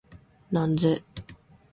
なんぜ？